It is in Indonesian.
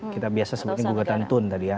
kita biasa sebutnya gugatan tun tadi ya